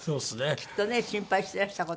きっとね心配していらした事。